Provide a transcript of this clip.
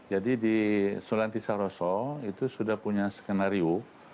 jadi di sulawesi tisaroso itu sudah punya skenario